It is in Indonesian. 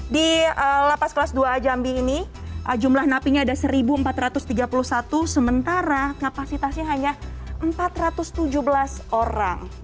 di lapas kelas dua a jambi ini jumlah napinya ada satu empat ratus tiga puluh satu sementara kapasitasnya hanya empat ratus tujuh belas orang